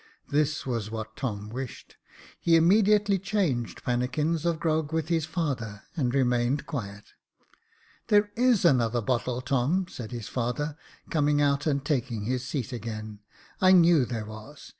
This was what Tom wished : he immediately changed pannikins of grog with his father, and remained quiet. " There is another bottle, Tom," said his father, coming out and taking his seat again. I knew there was.